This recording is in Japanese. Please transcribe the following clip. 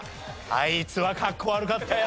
あいつはかっこ悪かったよ